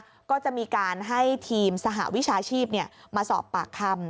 แล้วก็จะมีการให้ทีมสหวิชาชีพมาสอบปากคำ